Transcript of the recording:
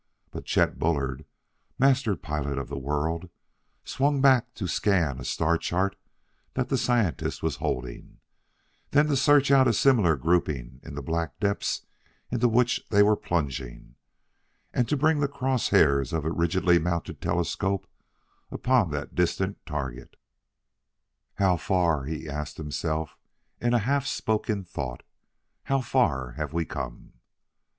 But Chet Bullard, Master Pilot of the World, swung back to scan a star chart that the scientist was holding, then to search out a similar grouping in the black depths into which they were plunging, and to bring the cross hairs of a rigidly mounted telescope upon that distant target. "How far?" he asked himself in a half spoken thought, " how far have we come?"